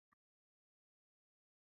Ish chappasiga ketishi hech gap emasdi.